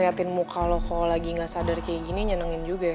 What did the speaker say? ternyata melihat muka lo kalau lagi nggak sadar kayak gini menyenangkan juga ya